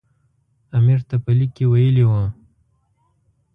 امیر ته په لیک کې ویلي وو.